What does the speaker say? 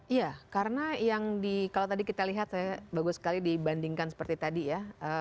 iya karena yang di kalau tadi kita lihat saya bagus sekali dibandingkan seperti tadi ya